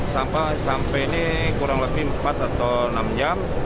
sampah sampai ini kurang lebih empat atau enam jam